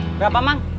lagi sarapan bubur